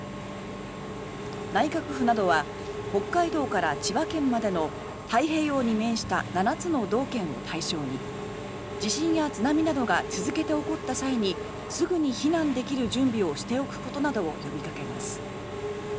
内閣府などは北海道から千葉県までの太平洋に面した７つの道県を対象に地震や津波などが続けて起こった際にすぐに避難できる準備をしておくことなどを呼びかけます。